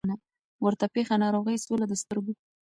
ورته پېښه ناروغي سوله د سترګو